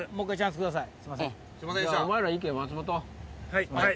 はい。